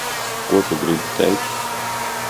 Ko tu gribi teikt?